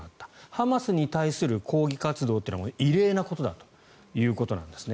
ハマスに対する抗議活動というのは異例なことだということなんですね。